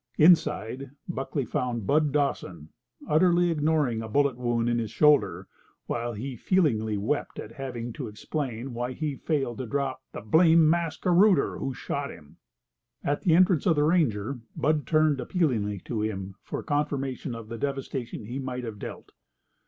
Inside, Buckley found Bud Dawson utterly ignoring a bullet wound in his shoulder, while he feelingly wept at having to explain why he failed to drop the "blamed masquerooter," who shot him. At the entrance of the ranger Bud turned appealingly to him for confirmation of the devastation he might have dealt.